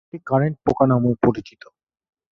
এটি কারেন্ট পোকা নামেও পরিচিত।